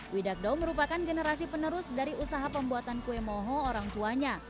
widagdo merupakan generasi penerus dari usaha pembuatan kue moho orang tuanya